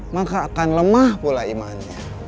maka akan lemah pula imannya